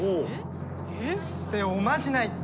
そしておまじない。